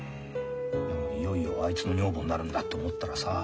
でもいよいよあいつの女房になるんだって思ったらさ。